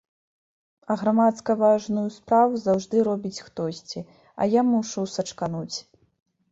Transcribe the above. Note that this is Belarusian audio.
А грамадска-важную справу заўжды робіць хтосьці, а я мушу сачкануць.